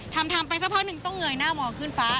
ทำทำไปสักพักหนึ่งต้องเงยหน้ามองขึ้นฟ้า